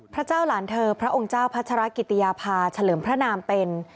พระเจ้าหลานเธอพระองค์เจ้าพัชรกิติยาภาเฉลิมพระนามเป็น